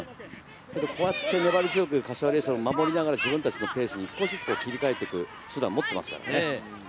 こうやって粘り強く柏レイソルは守りながら自分達のペースに切り替える手段を持っていますからね。